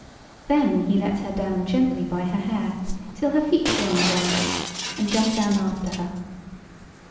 Then he let her down gently by her hair till her feet were on the grass, and jumped down after her.